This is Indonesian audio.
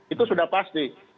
itu sudah pasti